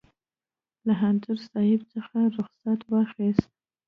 له انځور صاحب څخه رخصت واخیست.